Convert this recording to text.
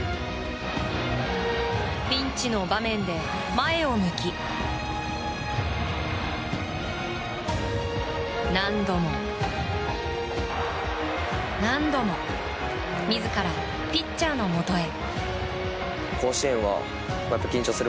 ピンチの場面で前を向き何度も、何度も自らピッチャーのもとへ。